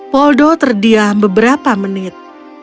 poldo terdiam beberapa menit